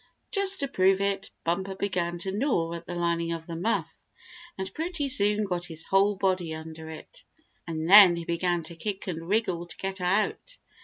Just to prove it, Bumper began to gnaw at the lining of the muff, and pretty soon got his whole body under it, and then he began to kick and wriggle to get out.